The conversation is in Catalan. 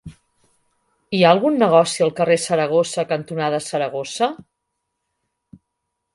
Hi ha algun negoci al carrer Saragossa cantonada Saragossa?